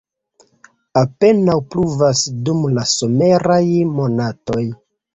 Apenaŭ pluvas dum la someraj monatoj.